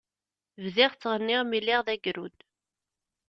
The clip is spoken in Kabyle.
Bdiɣ ttɣenniɣ mi lliɣ d agrud.